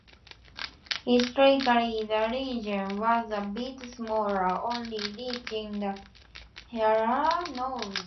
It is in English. Historically the region was a bit smaller, only reaching to Heitersheim in the north.